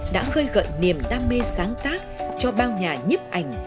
đã gây gợi niềm đam mê sáng tác cho bao nhà nhếp ảnh